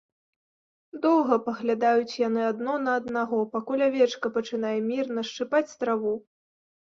Доўга паглядаюць яны адно на аднаго, пакуль авечка пачынае мірна шчыпаць траву.